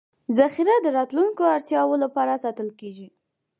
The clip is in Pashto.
ذخیره د راتلونکو اړتیاوو لپاره ساتل کېږي.